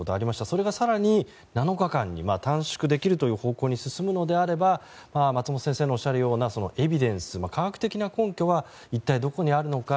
それが更に７日間に短縮できる方向に進むのであれば松本先生のおっしゃるようなエビデンス、科学的な根拠が一体どこにあるのか